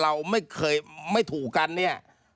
เพราะคนเราไม่ถูกกันเนี่ย